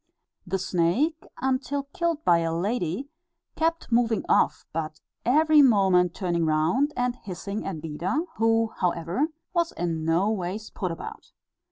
The snake until killed by a lady kept moving off, but every moment turning round, and hissing at Beda, who, however, was in no ways put about.